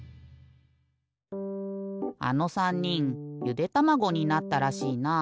あの３にんゆでたまごになったらしいな。